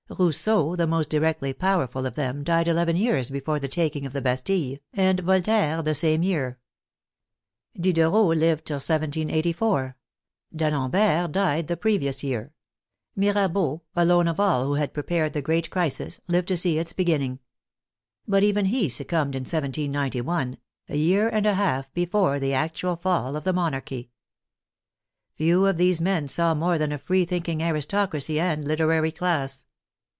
Rousseau, the most directly powerful of them, died eleven years before the taking of the Bastille, and Voltaire the same year. Diderot lived till 1784; D^Alembert died the previous year; Mirabeau, alone of all who had prepared the great crisis, lived to see its beginning. But even he succumbed in 1 79 1, a year and a half before the actual fall of the monarchy. Few of these men saw more than a free thinking aristocracy and literary class.